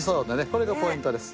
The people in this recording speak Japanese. これがポイントです。